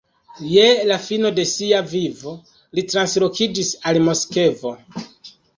Je la fino de sia vivo li translokiĝis al Moskvo.